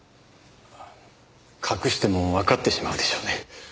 隠してもわかってしまうでしょうね。